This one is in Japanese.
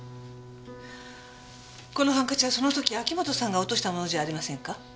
このハンカチはその時秋本さんが落としたものじゃありませんか？